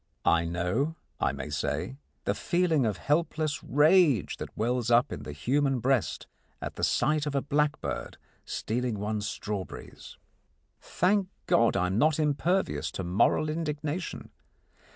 I know, I may say, the feeling of helpless rage that wells up in the human breast at the sight of a blackbird stealing one's strawberries. Thank God, I am not impervious to moral indignation.